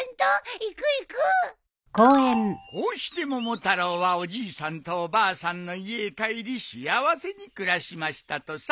こうして桃太郎はおじいさんとおばあさんの家へ帰り幸せに暮らしましたとさ。